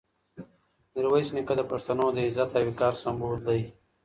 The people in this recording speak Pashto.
میرویس نیکه د پښتنو د عزت او وقار سمبول دی.